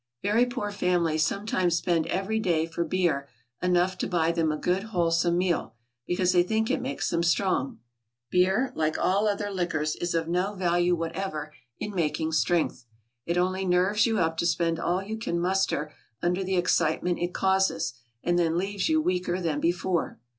= Very poor families sometimes spend every day for beer enough to buy them a good, wholesome meal, because they think it makes them strong. Beer, like all other liquors, is of no value whatever in making strength; it only nerves you up to spend all you can muster under the excitement it causes, and then leaves you weaker than before.